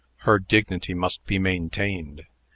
"Her dignity must be maintained.